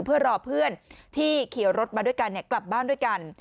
เพื่อรอเพื่อนที่ขี่รถมาด้วยกันกลับบ้านด้วยกัน